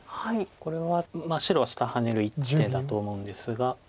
これは白は下ハネる一手だと思うんですが。